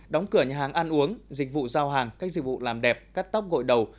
đóng cửa nhà hàng ăn uống dịch vụ giao hàng các dịch vụ làm đẹp cắt tóc gội đầu